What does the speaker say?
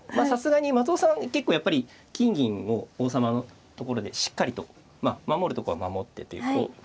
さすがに松尾さん結構やっぱり金銀を王様のところでしっかりと守るとこは守ってという。